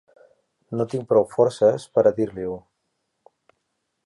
No tinc prou forces per a dir-li-ho.